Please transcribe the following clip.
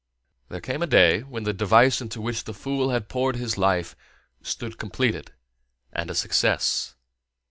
There came a day when the device into which the fool had poured his life stood completed and a success.